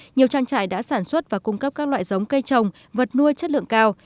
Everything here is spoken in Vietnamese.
nhiều trang trại đã sản xuất và cung cấp các loại giống cây trồng vật nuôi chất lượng cao